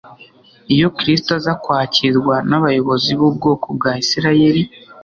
Iyo Kristo aza kwakirwa n'abayobozi b'ubwoko bwa Isiraeli,